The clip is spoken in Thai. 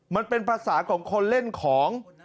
มันเป็นภาษาของคนเล่นของ